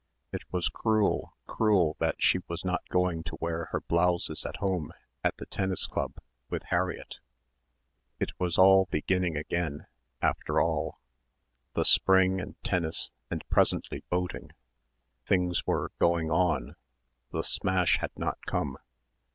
It was cruel, cruel that she was not going to wear her blouses at home, at the tennis club ... with Harriett.... It was all beginning again, after all the spring and tennis and presently boating things were going on ... the smash had not come